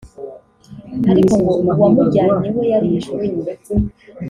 ariko ngo uwamujyanye we yarishwe